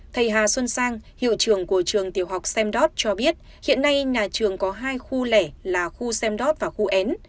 thầy hà xuân sang hiệu trường của trường tiểu học semdot cho biết hiện nay nhà trường có hai khu lẻ là khu semdot và khu n